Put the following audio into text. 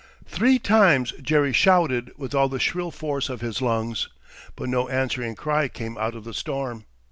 Three times Jerry shouted with all the shrill force of his lungs, but no answering cry came out of the storm.